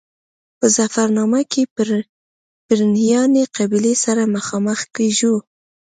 په ظفرنامه کې پرنیاني قبیلې سره مخامخ کېږو.